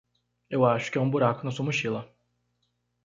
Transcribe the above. Eu acho que há um buraco na sua mochila.